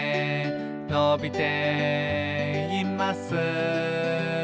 「のびています」